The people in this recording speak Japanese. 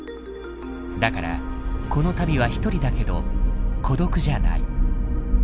だからこの旅は一人だけど孤独じゃない。